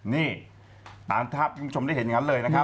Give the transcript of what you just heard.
นี่ตามภาพที่คุณผู้ชมได้เห็นอย่างนั้นเลยนะครับ